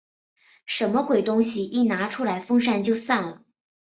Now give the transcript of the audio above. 什么鬼东西？一拿出来风扇就散了。